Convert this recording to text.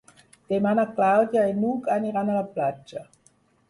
Demà na Clàudia i n'Hug aniran a la platja.